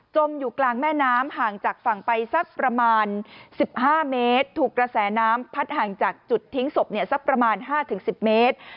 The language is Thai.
มอยู่กลางแม่น้ำห่างจากฝั่งไปสักประมาณ๑๕เมตรถูกกระแสน้ำพัดห่างจากจุดทิ้งศพสักประมาณ๕๑๐เมตร